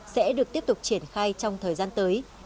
sẽ được tiếp tục triển khai trong thời gian tới